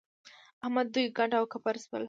احمد دوی کنډ او کپر شول.